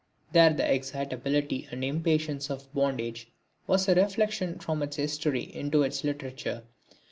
There the excitability and impatience of bondage was a reflection from its history into its literature.